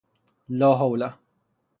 لاحول